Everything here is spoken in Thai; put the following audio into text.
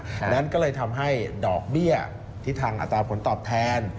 ดังนั้นก็เลยทำให้ดอกเบี้ยที่ทางอัตราผลตอบแทน